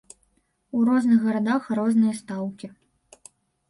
У розных гарадах розныя стаўкі.